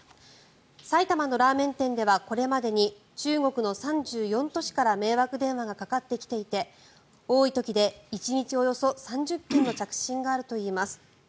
埼玉のラーメン店ではこれまでに中国の３４都市から迷惑電話がかかってきていて多い時で１日およそ３０件の着信があるといいます。